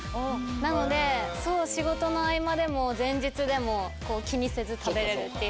なので仕事の合間でも前日でも気にせず食べれるっていう。